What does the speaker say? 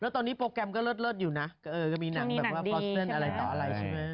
แล้วตอนนี้โปรแกรมก็เลิศอยู่นะก็มีหนังแบบว่าบอสเซิลอะไรต่ออะไรใช่ไหม